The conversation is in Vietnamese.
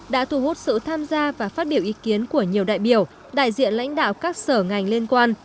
đã thu hút sự tham gia và phát biểu ý kiến của nhiều đại biểu đại diện lãnh đạo các sở ngành liên quan